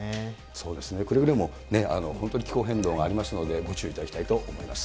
そうですね、くれぐれも本当に気候変動がありますので、ご注意いただきたいと思います。